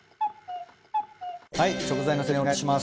はい食材の説明お願いします。